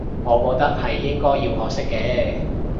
我覺得係應該要學識嘅